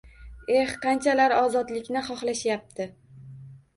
Eh, qanchalik ozodlikni xohlashayapti